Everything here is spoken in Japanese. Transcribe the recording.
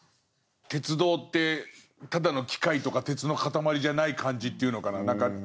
鉄道ってただの機械とか鉄の塊じゃない感じっていうのかな。